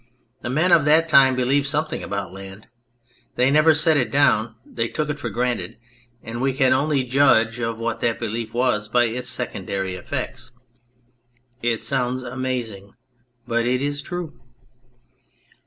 The men of that time believed something about land. They never set it down, they took it for granted ; and we can only judge of what that belief was by its secondary effects. It sounds amazing, but it is true.